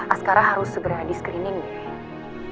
askara harus segera diskrining deh